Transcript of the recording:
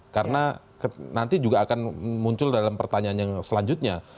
karena nanti juga akan muncul dalam pertanyaan yang selanjutnya